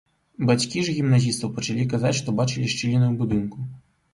Бацькі ж гімназістаў пачалі казаць, што бачылі шчыліны ў будынку.